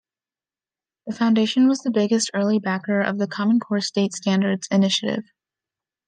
The foundation was the biggest early backer of the Common Core State Standards Initiative.